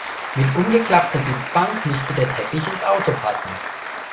Mit umgeklappter Sitzbank müsste der Teppich ins Auto passen.